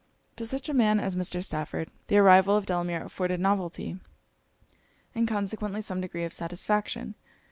To such a man as Mr. Stafford, the arrival of Delamere afforded novelty, and consequently some degree of satisfaction.